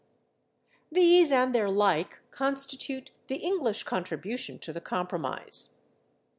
These and their like constitute the English contribution to the compromise.